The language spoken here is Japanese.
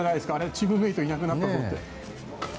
チームメートがいなくなったと思って。